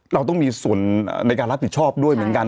เราต้องมีส่วนในการรับผิดชอบด้วยเหมือนกัน